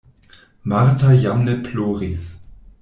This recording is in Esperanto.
Marta jam ne ploris.